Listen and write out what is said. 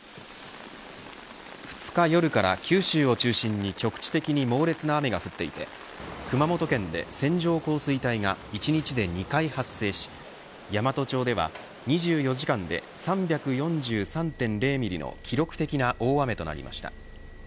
２日夜から九州を中心に局地的に猛烈な雨が降っていて熊本県で線状降水帯が１日で２回発生し山都町では２４時間で３４３．０ミリの記録的な大雨となりました。